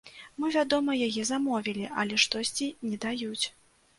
Мы, вядома, яе замовілі, але штосьці не даюць.